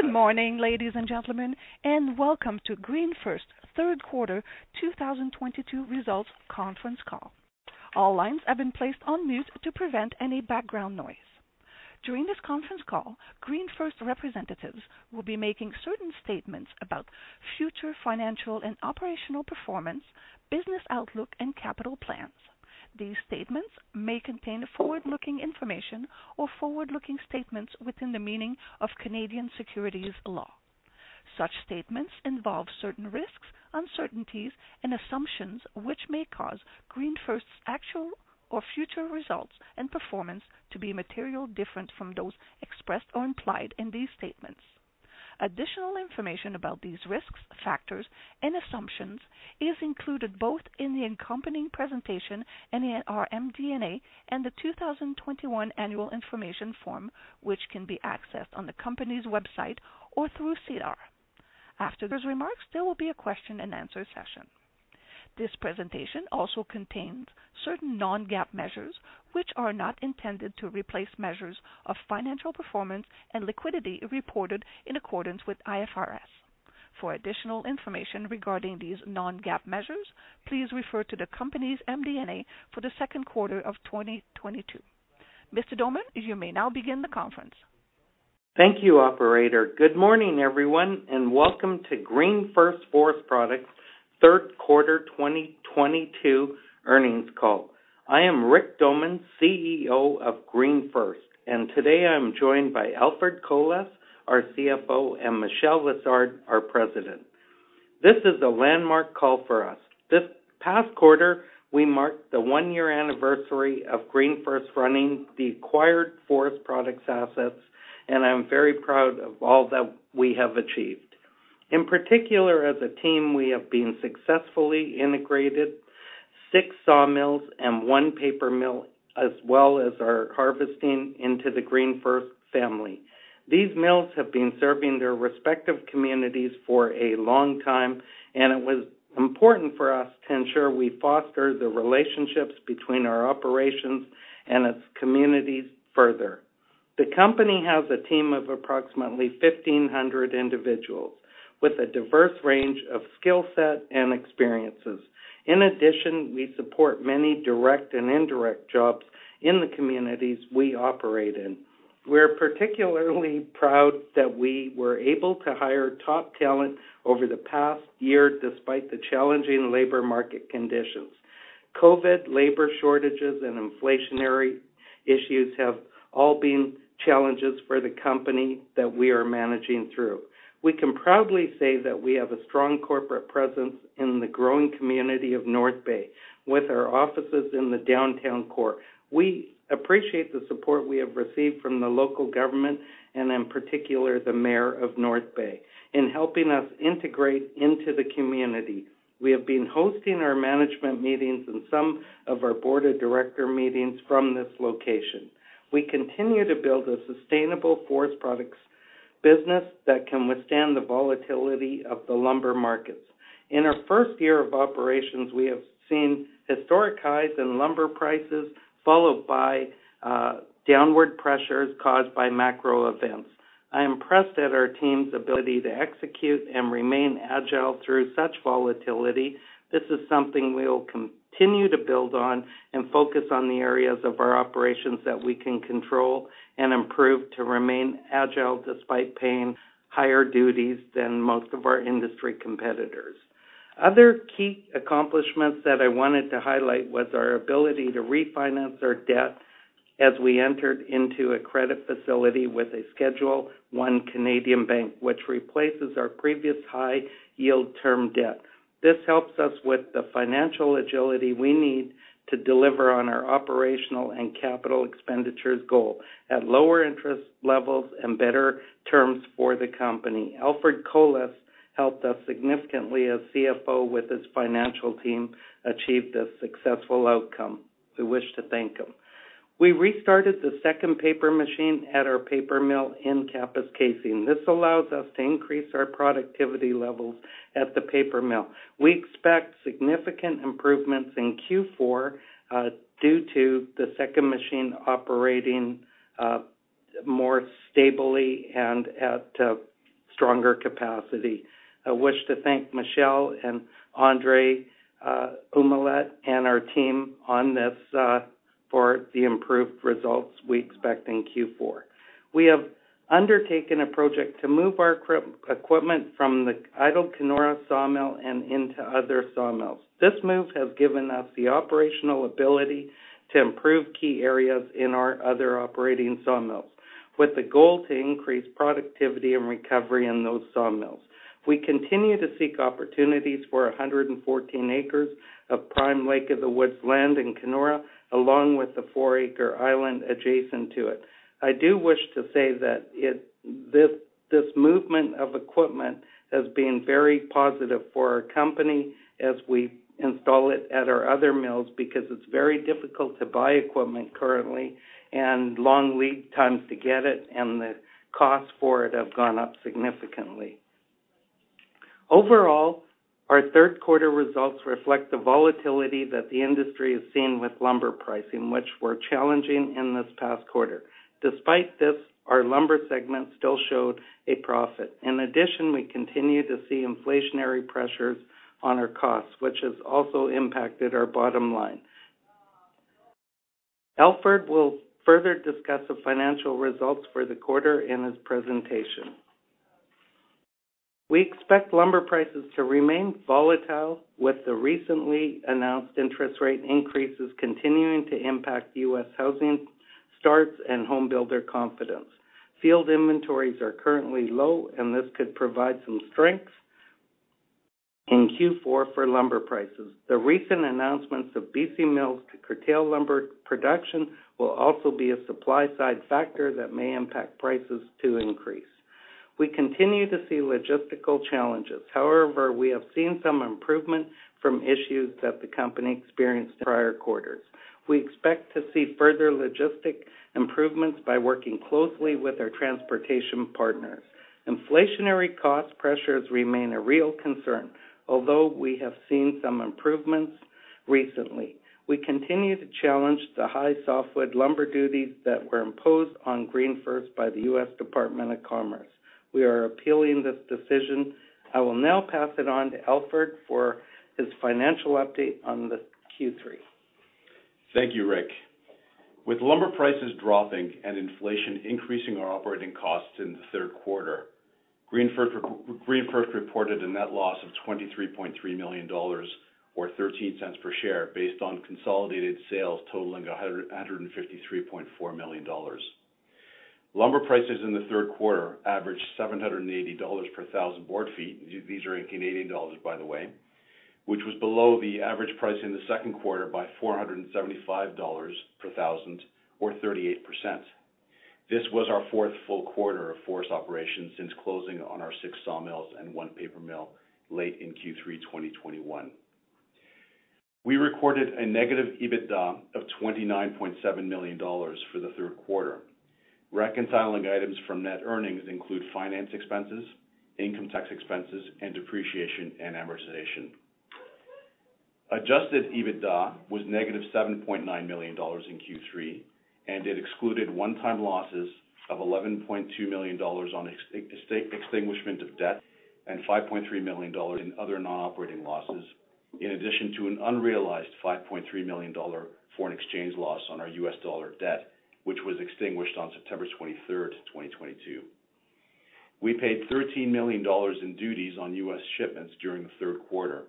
Good morning, ladies and gentlemen, and welcome to GreenFirst third quarter 2022 results conference call. All lines have been placed on mute to prevent any background noise. During this conference call, GreenFirst representatives will be making certain statements about future financial and operational performance, business outlook, and capital plans. These statements may contain forward-looking information or forward-looking statements within the meaning of Canadian securities law. Such statements involve certain risks, uncertainties, and assumptions which may cause GreenFirst's actual or future results and performance to be materially different from those expressed or implied in these statements. Additional information about these risks, factors, and assumptions is included both in the accompanying presentation and in our MD&A and the 2021 annual information form, which can be accessed on the company's website or through SEDAR. After those remarks, there will be a question-and-answer session. This presentation also contains certain non-GAAP measures which are not intended to replace measures of financial performance and liquidity reported in accordance with IFRS. For additional information regarding these non-GAAP measures, please refer to the company's MD&A for the second quarter of 2022. Mr. Doman, you may now begin the conference. Thank you, operator. Good morning, everyone, and welcome to GreenFirst Forest Products third quarter 2022 earnings call. I am Rick Doman, CEO of GreenFirst, and today I am joined by Alfred Colas, our CFO, and Michel Lessard, our President. This is a landmark call for us. This past quarter, we marked the one-year anniversary of GreenFirst running the acquired Forest Products assets, and I'm very proud of all that we have achieved. In particular, as a team, we have successfully integrated six sawmills and one paper mill, as well as our harvesting into the GreenFirst family. These mills have been serving their respective communities for a long time, and it was important for us to ensure we foster the relationships between our operations and its communities further. The company has a team of approximately 1,500 individuals with a diverse range of skill set and experiences. In addition, we support many direct and indirect jobs in the communities we operate in. We're particularly proud that we were able to hire top talent over the past year despite the challenging labor market conditions. COVID, labor shortages, and inflationary issues have all been challenges for the company that we are managing through. We can proudly say that we have a strong corporate presence in the growing community of North Bay with our offices in the downtown core. We appreciate the support we have received from the local government and in particular the Mayor of North Bay in helping us integrate into the community. We have been hosting our management meetings and some of our board of director meetings from this location. We continue to build a sustainable Forest Products business that can withstand the volatility of the lumber markets. In our first year of operations, we have seen historic highs in lumber prices followed by downward pressures caused by macro events. I am impressed at our team's ability to execute and remain agile through such volatility. This is something we will continue to build on and focus on the areas of our operations that we can control and improve to remain agile despite paying higher duties than most of our industry competitors. Other key accomplishments that I wanted to highlight was our ability to refinance our debt as we entered into a credit facility with a Schedule I Canadian bank, which replaces our previous high-yield term debt. This helps us with the financial agility we need to deliver on our operational and capital expenditures goal at lower interest levels and better terms for the company. Alfred Colas helped us significantly as CFO with his financial team achieve this successful outcome. We wish to thank him. We restarted the second paper machine at our paper mill in Kapuskasing. This allows us to increase our productivity levels at the paper mill. We expect significant improvements in Q4 due to the second machine operating more stably and at stronger capacity. I wish to thank Michel and André Ouimette and our team on this for the improved results we expect in Q4. We have undertaken a project to move our equipment from the idle Kenora Sawmill and into other sawmills. This move has given us the operational ability to improve key areas in our other operating sawmills with the goal to increase productivity and recovery in those sawmills. We continue to seek opportunities for 114 acres of prime Lake of the Woods land in Kenora, along with the 4-acre island adjacent to it. I do wish to say that this movement of equipment has been very positive for our company as we install it at our other mills because it's very difficult to buy equipment currently and long lead times to get it and the costs for it have gone up significantly. Overall, our third quarter results reflect the volatility that the industry is seeing with lumber pricing, which were challenging in this past quarter. Despite this, our lumber segment still showed a profit. In addition, we continue to see inflationary pressures on our costs, which has also impacted our bottom line. Alfred will further discuss the financial results for the quarter in his presentation. We expect lumber prices to remain volatile with the recently announced interest rate increases continuing to impact U.S. housing starts and home builder confidence. Field inventories are currently low, and this could provide some strength in Q4 for lumber prices. The recent announcements of B.C. mills to curtail lumber production will also be a supply-side factor that may impact prices to increase. We continue to see logistical challenges. However, we have seen some improvement from issues that the company experienced in prior quarters. We expect to see further logistical improvements by working closely with our transportation partners. Inflationary cost pressures remain a real concern, although we have seen some improvements recently. We continue to challenge the high softwood lumber duties that were imposed on GreenFirst by the U.S. Department of Commerce. We are appealing this decision. I will now pass it on to Alfred for his financial update on the Q3. Thank you, Rick. With lumber prices dropping and inflation increasing our operating costs in the third quarter, GreenFirst reported a net loss of 23.3 million dollars or 13 cents per share based on consolidated sales totaling 153.4 million dollars. Lumber prices in the third quarter averaged 780 dollars per 1000 board feet. These are in Canadian dollars, by the way, which was below the average price in the second quarter by 475 dollars per thousand or 38%. This was our fourth full quarter of forest operations since closing on our six sawmills and one paper mill late in Q3 2021. We recorded a negative EBITDA of 29.7 million dollars for the third quarter. Reconciling items from net earnings include finance expenses, income tax expenses, and depreciation and amortization. Adjusted EBITDA was -7.9 million dollars in Q3, and it excluded one-time losses of 11.2 million dollars on extinguishment of debt and 5.3 million dollars in other non-operating losses, in addition to an unrealized $5.3 million foreign exchange loss on our U.S. dollar debt, which was extinguished on September 23, 2022. We paid 13 million dollars in duties on U.S. shipments during the third quarter.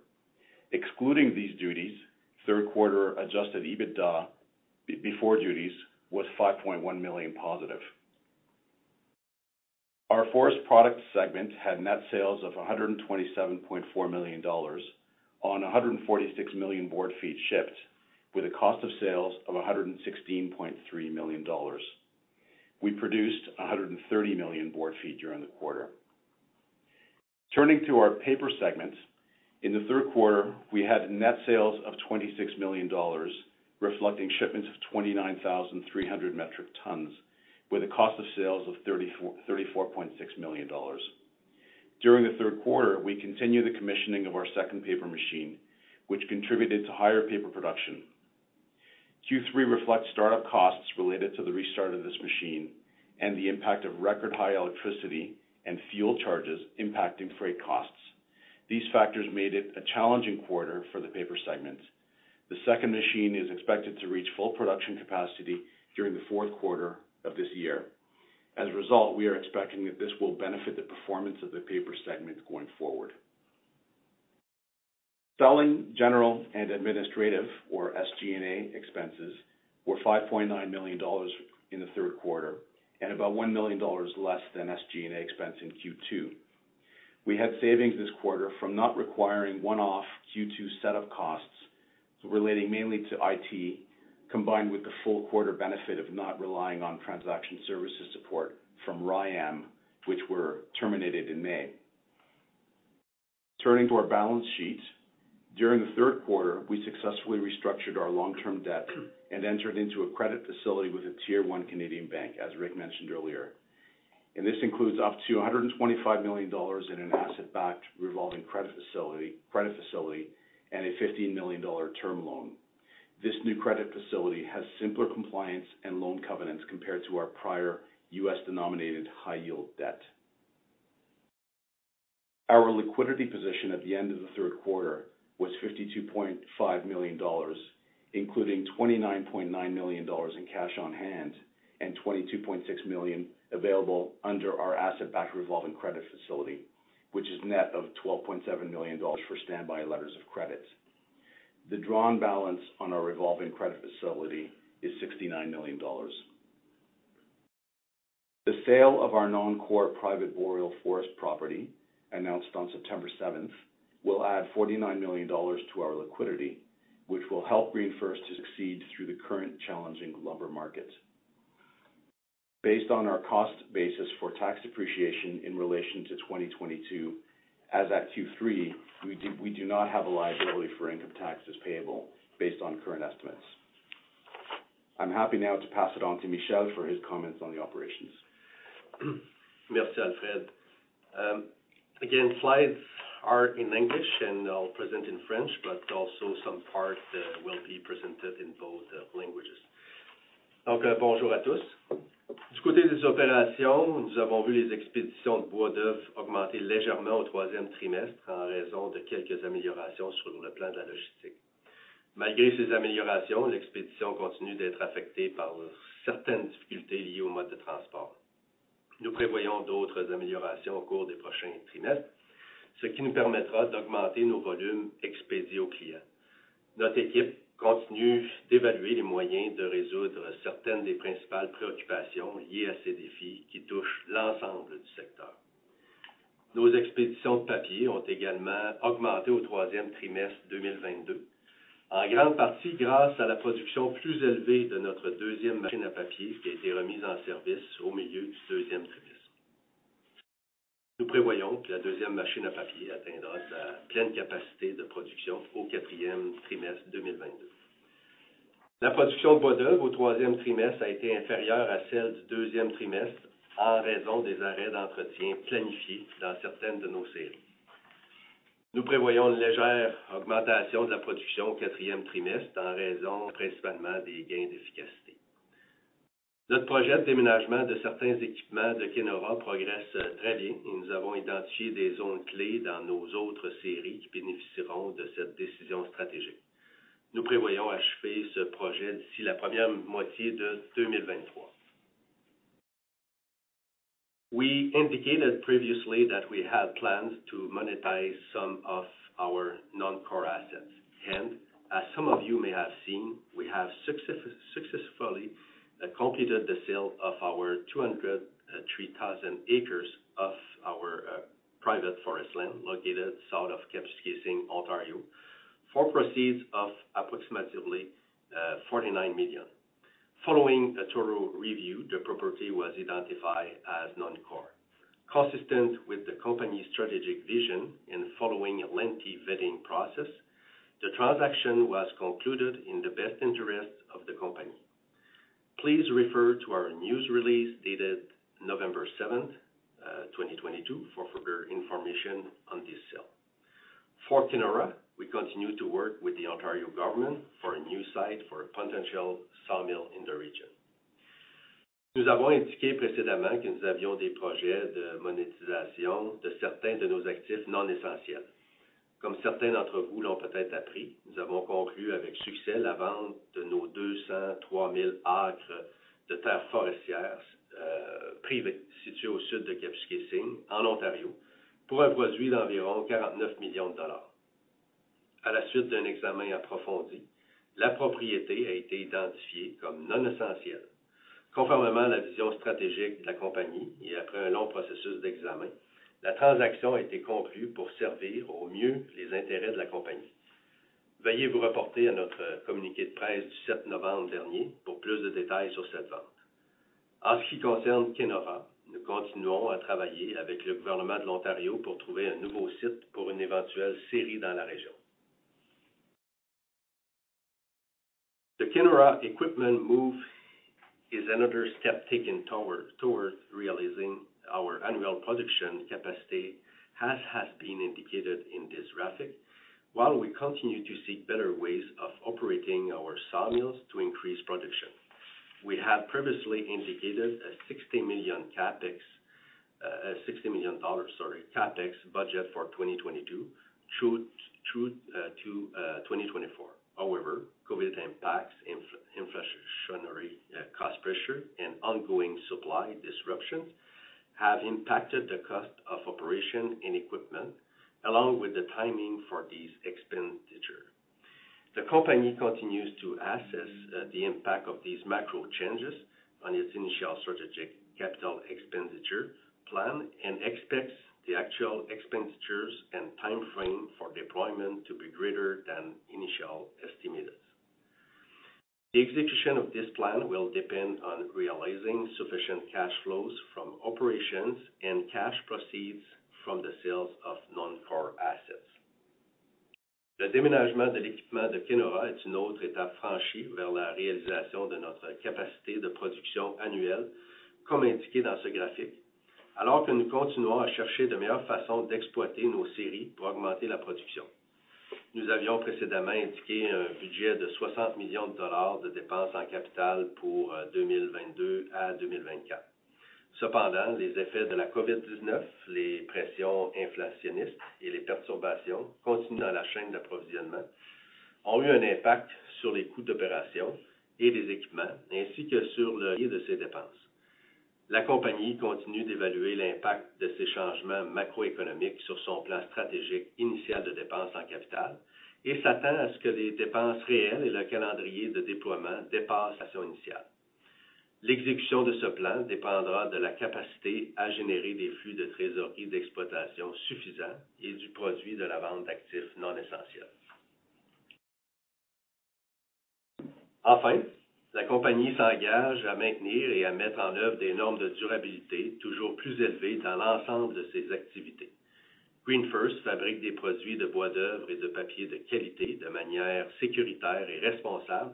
Excluding these duties, third quarter Adjusted EBITDA before duties was 5.1 million positive. Our Forest Products segment had net sales of 127.4 million dollars on 146 million board feet shipped with a cost of sales of 116.3 million dollars. We produced 130 million board feet during the quarter. Turning to our paper segment. In the third quarter, we had net sales of 26 million dollars, reflecting shipments of 29,300 metric tons with a cost of sales of 34.6 million dollars. During the third quarter, we continued the commissioning of our second paper machine, which contributed to higher paper production. Q3 reflects start-up costs related to the restart of this machine and the impact of record high electricity and fuel charges impacting freight costs. These factors made it a challenging quarter for the paper segment. The second machine is expected to reach full production capacity during the fourth quarter of this year. As a result, we are expecting that this will benefit the performance of the paper segment going forward. Selling, general, and administrative or SG&A expenses were 5.9 million dollars in the third quarter and about 1 million dollars less than SG&A expense in Q2. We had savings this quarter from not requiring one-off Q2 set-up costs relating mainly to IT, combined with the full quarter benefit of not relying on transaction services support from Rayonier Advanced Materials, which were terminated in May. Turning to our balance sheet. During the third quarter, we successfully restructured our long-term debt and entered into a credit facility with a tier-1 Canadian bank, as Rick mentioned earlier. This includes up to 125 million dollars in an asset-backed revolving credit facility and a 15 million dollar term loan. This new credit facility has simpler compliance and loan covenants compared to our prior U.S.-denominated high-yield debt. Our liquidity position at the end of the third quarter was 52.5 million dollars, including 29.9 million dollars in cash on hand and 22.6 million available under our asset-backed revolving credit facility, which is net of 12.7 million dollars for standby letters of credit. The drawn balance on our revolving credit facility is 69 million dollars. The sale of our non-core private Boreal forest property announced on September 7 will add 49 million dollars to our liquidity, which will help GreenFirst to succeed through the current challenging lumber market. Based on our cost basis for tax depreciation in relation to 2022, as at Q3, we do not have a liability for income taxes payable based on current estimates. I'm happy now to pass it on to Michel for his comments on the operations. Merci Alfred. Again, slides are in English and I'll present in French, but also some parts will be presented in both languages. Donc bonjour à tous. Du côté des opérations, nous avons vu les expéditions de bois d'œuvre augmenter légèrement au troisième trimestre en raison de quelques améliorations sur le plan de la logistique. Malgré ces améliorations, l'expédition continue d'être affectée par certaines difficultés liées au mode de transport. Nous prévoyons d'autres améliorations au cours des prochains trimestres, ce qui nous permettra d'augmenter nos volumes expédiés aux clients. Notre équipe continue d'évaluer les moyens de résoudre certaines des principales préoccupations liées à ces défis qui touchent l'ensemble du secteur. Nos expéditions de papier ont également augmenté au troisième trimestre 2022, en grande partie grâce à la production plus élevée de notre deuxième machine à papier qui a été remise en service au milieu du deuxième trimestre. Nous prévoyons que la deuxième machine à papier atteindra sa pleine capacité de production au quatrième trimestre 2022. La production de bois d'œuvre au troisième trimestre a été inférieure à celle du deuxième trimestre en raison des arrêts d'entretien planifiés dans certaines de nos scieries. Nous prévoyons une légère augmentation de la production au quatrième trimestre en raison principalement des gains d'efficacité. Notre projet de déménagement de certains équipements de Kenora progresse très bien et nous avons identifié des zones clés dans nos autres scieries qui bénéficieront de cette décision stratégique. Nous prévoyons achever ce projet d'ici la première moitié de 2023. We indicated previously that we had plans to monetize some of our non-core assets. As some of you may have seen, we have successfully completed the sale of our 203,000 acres of our private forest land located south of Kapuskasing, Ontario, for proceeds of approximately 49 million. Following a total review, the property was identified as non-core. Consistent with the company's strategic vision and following a lengthy vetting process, the transaction was concluded in the best interest of the company. Please refer to our news release dated November 7, 2022 for further information on this sale. For Kenora, we continue to work with the Ontario government for a new site for a potential sawmill in the region. Nous avons indiqué précédemment que nous avions des projets de monétisation de certains de nos actifs non essentiels. Comme certains d'entre vous l'ont peut-être appris, nous avons conclu avec succès la vente de nos 203,000 acres de terres forestières, privées situées au sud de Kapuskasing, en Ontario, pour un produit d'environ CAD 49 million. À la suite d'un examen approfondi, la propriété a été identifiée comme non essentielle. Conformément à la vision stratégique de la compagnie et après un long processus d'examen, la transaction a été conclue pour servir au mieux les intérêts de la compagnie. Veuillez vous reporter à notre communiqué de presse du sept novembre dernier pour plus de détails sur cette vente. En ce qui concerne Kenora, nous continuons à travailler avec le gouvernement de l'Ontario pour trouver un nouveau site pour une éventuelle scierie dans la région. The Kenora equipment move is another step taken towards realizing our annual production capacity, as has been indicated in this graphic. While we continue to seek better ways of operating our sawmills to increase production. We had previously indicated a 60 million CapEx budget for 2022 through 2024. However, COVID impacts, inflationary cost pressure, and ongoing supply disruptions have impacted the cost of operation and equipment, along with the timing for these expenditures. The company continues to assess the impact of these macro changes on its initial strategic capital expenditure plan and expects the actual expenditures and timeframe for deployment to be greater than initial estimates. The execution of this plan will depend on realizing sufficient cash flows from operations and cash proceeds from the sales of non-core assets. Le déménagement de l'équipement de Kenora est une autre étape franchie vers la réalisation de notre capacité de production annuelle, comme indiqué dans ce graphique, alors que nous continuons à chercher de meilleures façons d'exploiter nos scieries pour augmenter la production. Nous avions précédemment indiqué un budget de 60 million dollars de dépenses en capital pour 2022-2024. Cependant, les effets de la COVID-19, les pressions inflationnistes et les perturbations continues dans la chaîne d'approvisionnement ont eu un impact sur les coûts d'opération et des équipements ainsi que sur le lieu de ces dépenses. La compagnie continue d'évaluer l'impact de ces changements macroéconomiques sur son plan stratégique initial de dépenses en capital et s'attend à ce que les dépenses réelles et le calendrier de déploiement dépassent sa situation initiale. L'exécution de ce plan dépendra de la capacité à générer des flux de trésorerie d'exploitation suffisants et du produit de la vente d'actifs non essentiels. Enfin, la compagnie s'engage à maintenir et à mettre en œuvre des normes de durabilité toujours plus élevées dans l'ensemble de ses activités. GreenFirst fabrique des produits de bois d'œuvre et de papier de qualité, de manière sécuritaire et responsable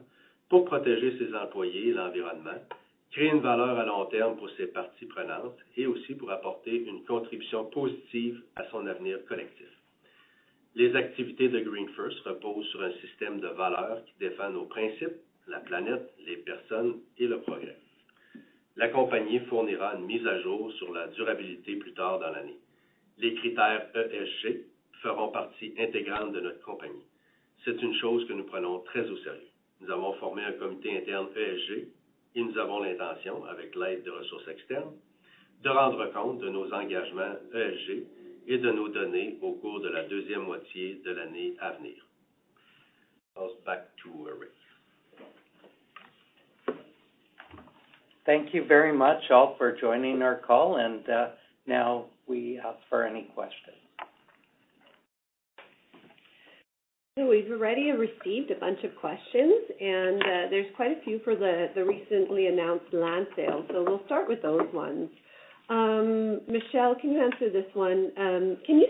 pour protéger ses employés et l'environnement, créer une valeur à long terme pour ses parties prenantes et aussi pour apporter une contribution positive à son avenir collectif. Les activités de GreenFirst reposent sur un système de valeurs qui défendent nos principes : la planète, les personnes et le progrès. La compagnie fournira une mise à jour sur la durabilité plus tard dans l'année. Les critères ESG feront partie intégrante de notre compagnie. C'est une chose que nous prenons très au sérieux. Nous avons formé un comité interne ESG et nous avons l'intention, avec l'aide de ressources externes, de rendre compte de nos engagements ESG et de nous doter au cours de la deuxième moitié de l'année à venir. I'll back to Rick. Thank you very much all for joining our call and now we ask for any questions. We've already received a bunch of questions and, there's quite a few for the recently announced land sale. We'll start with those ones. Michel, can you answer this one? Can you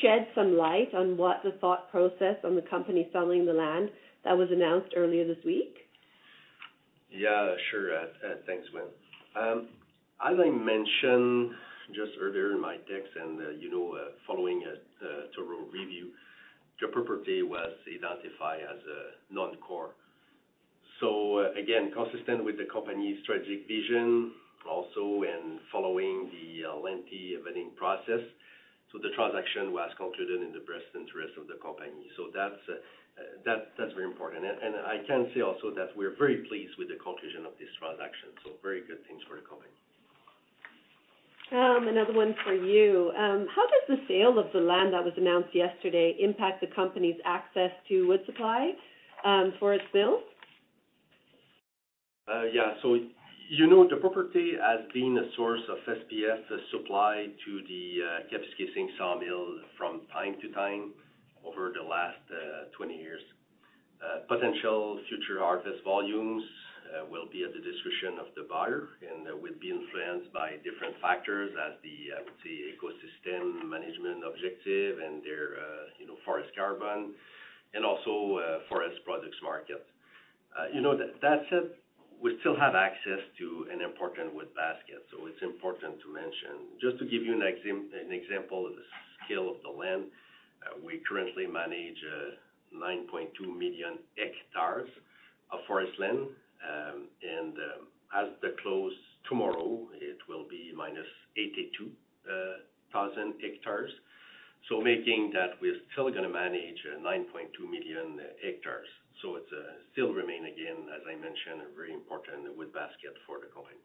shed some light on what the thought process on the company selling the land that was announced earlier this week? Yeah, sure. Thanks, Gwen. As I mentioned just earlier in my text and, you know, following a total review, the property was identified as a non-core. Again, consistent with the company's strategic vision also and following the lengthy vetting process. The transaction was concluded in the best interest of the company. That's very important. I can say also that we're very pleased with the conclusion of this transaction. Very good things for the company. Another one for you. How does the sale of the land that was announced yesterday impact the company's access to wood supply, for its mills? Yeah. You know, the property has been a source of SPF supply to the Kapuskasing Sawmill from time to time over the last 20 years. Potential future harvest volumes will be at the discretion of the buyer and would be influenced by different factors as the, let's say, ecosystem management objective and their you know forest carbon and also Forest Products market. You know, that said, we still have access to an important wood basket, so it's important to mention. Just to give you an example of the scale of the land, we currently manage 9.2 million hectares of forest land. As the close tomorrow, it will be minus 82,000 hectares. Making that, we're still gonna manage 9.2 million hectares. It's still remain, again, as I mentioned, a very important wood basket for the company.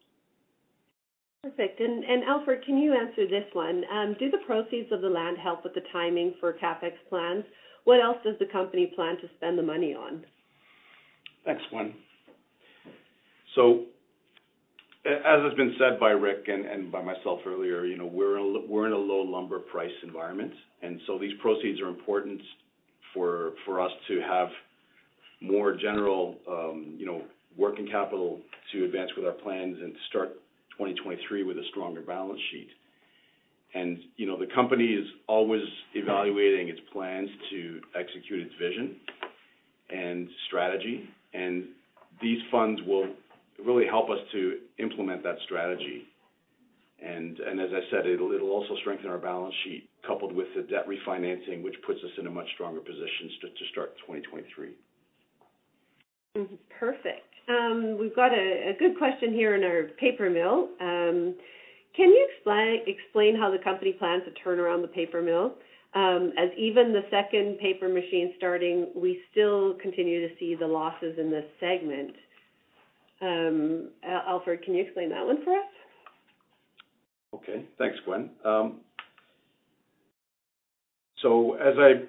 Perfect. Alfred, can you answer this one? Do the proceeds of the land help with the timing for CapEx plans? What else does the company plan to spend the money on? Thanks, Gwen. As has been said by Rick and by myself earlier, you know, we're in a low lumber price environment, and these proceeds are important for us to have more general, you know, working capital to advance with our plans and start 2023 with a stronger balance sheet. You know, the company is always evaluating its plans to execute its vision and strategy, and these funds will really help us to implement that strategy. As I said, it'll also strengthen our balance sheet coupled with the debt refinancing, which puts us in a much stronger position to start 2023. Perfect. We've got a good question here on our paper mill. Can you explain how the company plans to turn around the paper mill? As even the second paper machine starting, we still continue to see the losses in this segment. Alfred, can you explain that one for us? Okay. Thanks, Gwen. As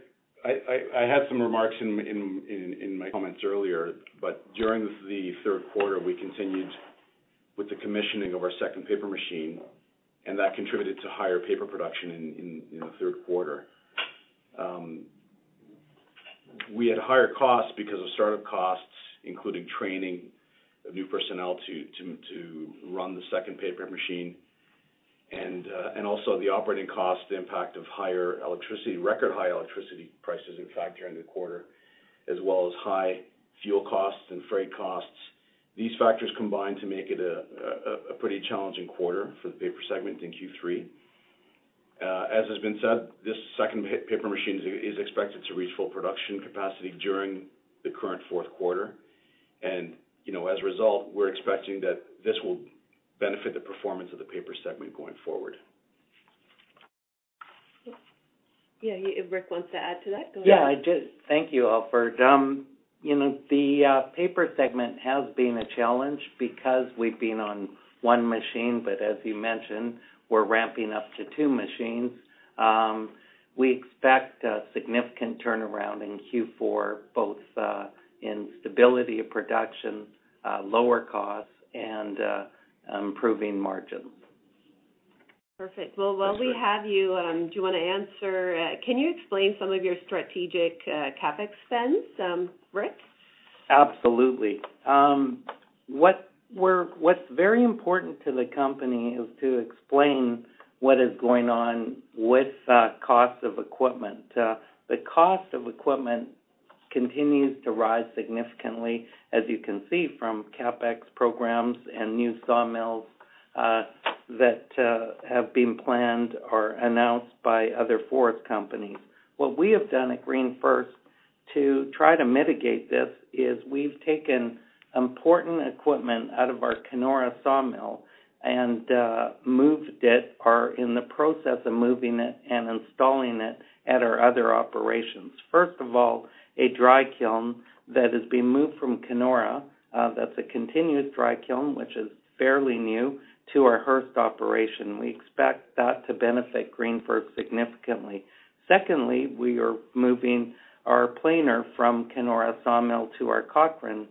I had some remarks in my comments earlier, but during the third quarter, we continued with the commissioning of our second paper machine, and that contributed to higher paper production in, you know, the third quarter. We had higher costs because of start-up costs, including training of new personnel to run the second paper machine and also the operating cost, the impact of higher electricity, record high electricity prices, in fact, during the quarter, as well as high fuel costs and freight costs. These factors combined to make it a pretty challenging quarter for the paper segment in Q3. As has been said, this second paper machine is expected to reach full production capacity during the current fourth quarter. You know, as a result, we're expecting that this will benefit the performance of the paper segment going forward. Yeah. If Rick wants to add to that, go ahead. Yeah, I do. Thank you, Alfred. You know, the paper segment has been a challenge because we've been on one machine, but as you mentioned, we're ramping up to two machines. We expect a significant turnaround in Q4, both in stability of production, lower costs and improving margins. Perfect. Well That's great. While we have you, do you wanna answer? Can you explain some of your strategic CapEx spends, Rick? Absolutely. What's very important to the company is to explain what is going on with cost of equipment. The cost of equipment continues to rise significantly, as you can see from CapEx programs and new sawmills that have been planned or announced by other forest companies. What we have done at GreenFirst to try to mitigate this is we've taken important equipment out of our Kenora Sawmill and moved it or in the process of moving it and installing it at our other operations. First of all, a dry kiln that is being moved from Kenora, that's a continuous dry kiln, which is fairly new to our Hearst operation. We expect that to benefit GreenFirst significantly. Secondly, we are moving our planer from Kenora Sawmill to our Cochrane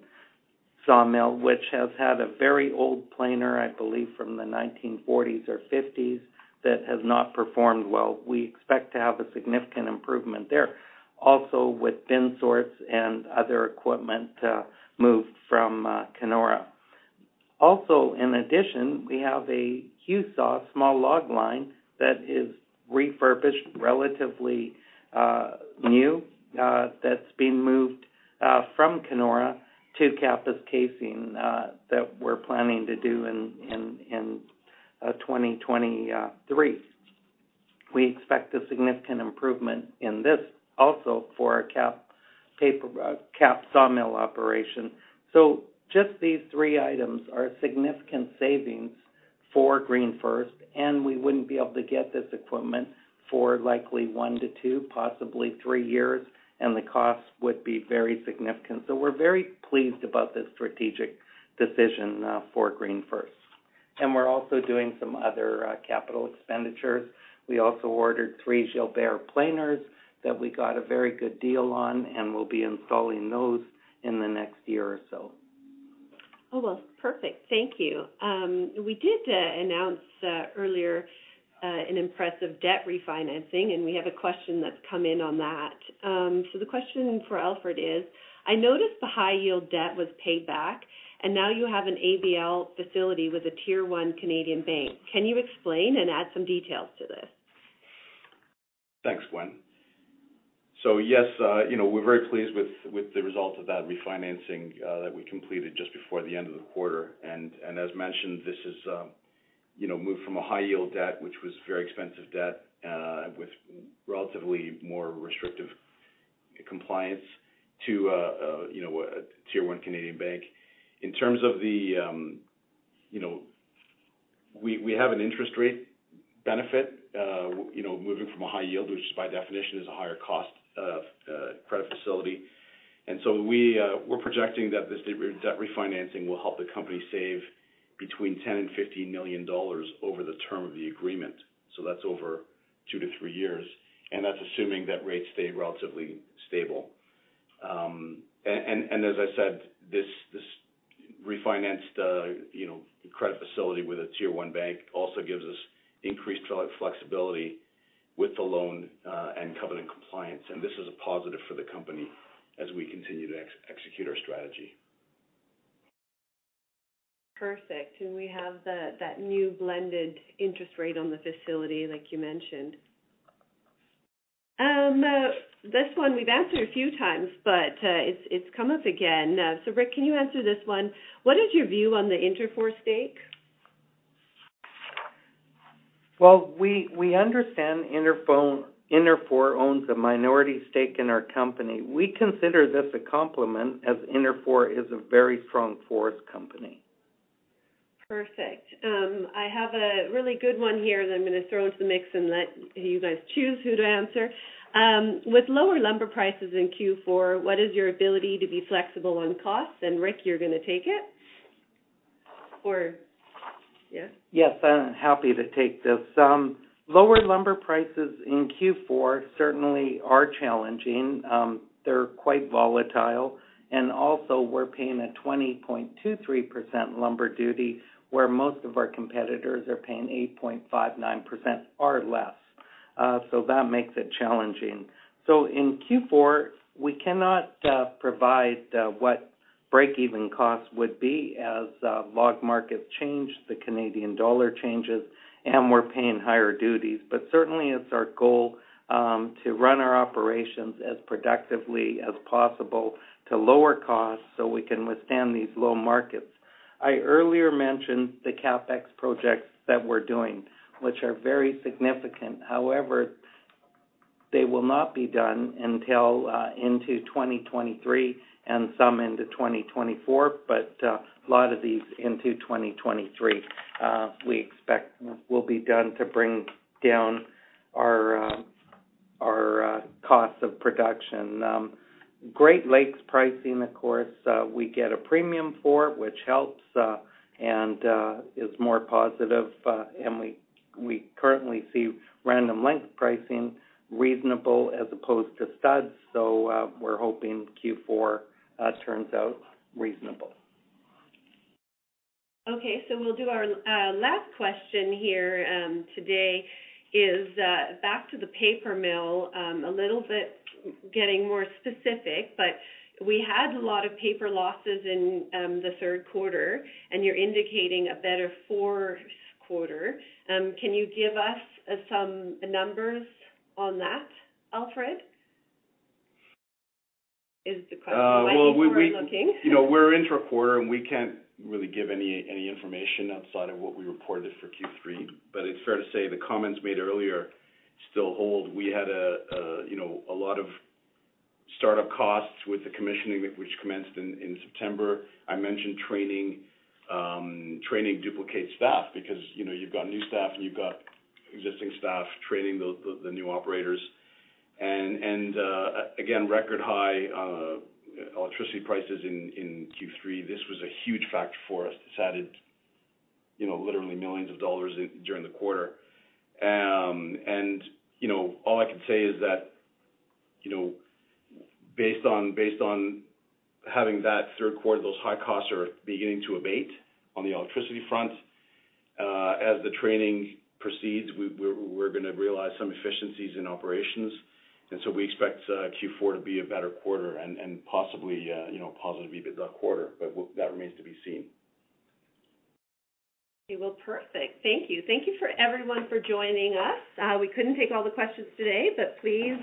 Sawmill, which has had a very old planer, I believe, from the 1940s or 1950s that has not performed well. We expect to have a significant improvement there also with thin kerf saws and other equipment moved from Kenora. Also, in addition, we have a HewSaw small log line that is refurbished, relatively new, that's being moved from Kenora to Kapuskasing that we're planning to do in 2023. We expect a significant improvement in this also for our Kapuskasing Sawmill operation. Just these three items are significant savings for GreenFirst, and we wouldn't be able to get this equipment for likely one to two, possibly three years, and the cost would be very significant. We're very pleased about this strategic decision for GreenFirst. We're also doing some other capital expenditures. We also ordered 3 Gilbert planers that we got a very good deal on, and we'll be installing those in the next year or so. Oh, well. Perfect. Thank you. We did announce earlier an impressive debt refinancing, and we have a question that's come in on that. The question for Alfred is: I noticed the high-yield debt was paid back, and now you have an ABL facility with a tier-one Canadian bank. Can you explain and add some details to this? Thanks, Gwen. Yes, you know, we're very pleased with the results of that refinancing that we completed just before the end of the quarter. As mentioned, this is, you know, moved from a high-yield debt, which was very expensive debt, with relatively more restrictive compliance to a, you know, a tier-one Canadian bank. In terms of the, you know, we have an interest rate benefit, you know, moving from a high yield, which by definition is a higher cost of credit facility. We're projecting that this debt refinancing will help the company save between 10 million and 15 million dollars over the term of the agreement. That's over two to three years, and that's assuming that rates stay relatively stable. As I said, this refinanced you know, credit facility with a tier one bank also gives us increased flexibility with the loan and covenant compliance. This is a positive for the company as we continue to execute our strategy. Perfect. We have that new blended interest rate on the facility, like you mentioned. This one we've answered a few times, but it's come up again. Rick, can you answer this one? What is your view on the Interfor stake? Well, we understand Interfor owns a minority stake in our company. We consider this a compliment as Interfor is a very strong forest company. Perfect. I have a really good one here that I'm gonna throw into the mix and let you guys choose who to answer. With lower lumber prices in Q4, what is your ability to be flexible on costs? Rick, you're gonna take it. Or yes. Yes, I'm happy to take this. Lower lumber prices in Q4 certainly are challenging. They're quite volatile. We're paying a 20.23% lumber duty, where most of our competitors are paying 8.59% or less. That makes it challenging. In Q4, we cannot provide what break-even costs would be as log markets change, the Canadian dollar changes, and we're paying higher duties. Certainly it's our goal to run our operations as productively as possible to lower costs so we can withstand these low markets. I earlier mentioned the CapEx projects that we're doing, which are very significant. However, they will not be done until into 2023 and some into 2024. A lot of these into 2023 we expect will be done to bring down our costs of production. Great Lakes pricing, of course, we get a premium for, which helps and is more positive. We currently see random length pricing reasonable as opposed to studs. We're hoping Q4 turns out reasonable. Okay. We'll do our last question here back to the paper mill, a little bit getting more specific, but we had a lot of paper losses in the third quarter, and you're indicating a better fourth quarter. Can you give us some numbers on that, Alfred? Is the question I think we're looking. You know, we're in the quarter, and we can't really give any information outside of what we reported for Q3. It's fair to say the comments made earlier still hold. We had, you know, a lot of startup costs with the commissioning which commenced in September. I mentioned training duplicate staff because, you know, you've got new staff and you've got existing staff training the new operators. Again, record high electricity prices in Q3. This was a huge factor for us. This added, you know, literally millions of CAD during the quarter. All I can say is that, you know, based on having that third quarter, those high costs are beginning to abate on the electricity front. As the training proceeds, we're gonna realize some efficiencies in operations. We expect Q4 to be a better quarter and possibly, you know, positively the quarter, but that remains to be seen. Well, perfect. Thank you. Thank you for everyone for joining us. We couldn't take all the questions today, but please,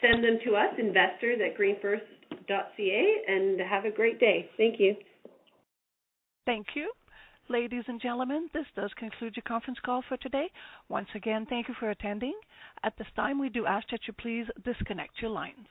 send them to us, investors@greenfirst.ca, and have a great day. Thank you. Thank you. Ladies and gentlemen, this does conclude your conference call for today. Once again, thank you for attending. At this time, we do ask that you please disconnect your lines.